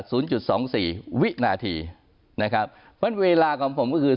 จุดสองสี่วินาทีนะครับเพราะฉะนั้นเวลาของผมก็คือ